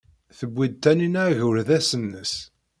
Tewwi-d Taninna agerdas-nnes.